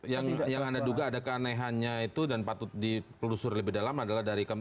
jadi yang anda duga ada keanehannya itu dan patut dipelusur lebih dalam adalah dari penghitungan tersebut